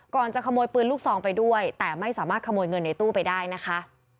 จะขโมยปืนลูกซองไปด้วยแต่ไม่สามารถขโมยเงินในตู้ไปได้นะคะ